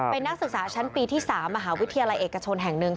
เป็นนักศึกษาชั้นปีที่๓มหาวิทยาลัยเอกชนแห่งหนึ่ง